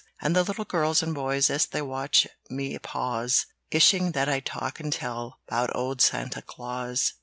"And the little girls and boys As they watch me pause, Wishing that I'd talk and tell 'Bout old Santa Claus!